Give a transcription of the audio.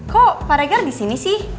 kok paregar disini sih